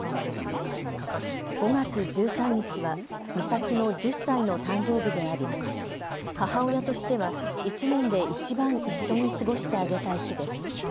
５月１３日は美咲の１０歳の誕生日であり母親としては１年でいちばん一緒に過ごしてあげたい日です。